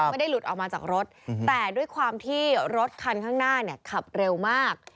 ไม่ได้หลุดออกมาจากรถแต่ด้วยความที่รถคันข้างหน้าเนี่ยขับเร็วมาก